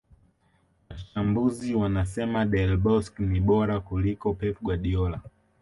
Wachambuzi wanasema Del Bosque ni bora kuliko Pep Guardiola